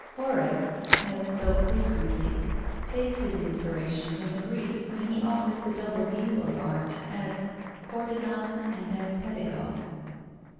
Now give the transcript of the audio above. Horace, as so frequently, takes his inspiration from the Greek, when he offers the double view of art: as courtezan and as pedagogue.